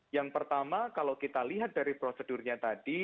yang pertama kalau kita lihat dari prosedurnya tadi